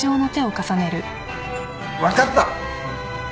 分かった！